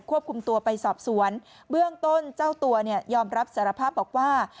ควบคุมตัวไปสอบสวนเบื้องต้นเจ้าตัวเนี่ยยอมรับสารภาพบอกว่า